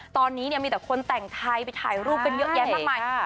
ตอนนี้เนี่ยมีแต่คนแต่งไทยไปถ่ายรูปกันเยอะแยะมากมาย